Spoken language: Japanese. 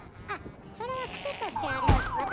あっそれは癖としてあります。